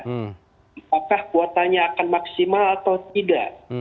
apakah kuotanya akan maksimal atau tidak